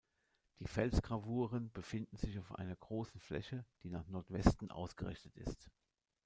Die Felsgravuren befinden sich auf einer großen Fläche, die nach Nordwesten ausgerichtet ist.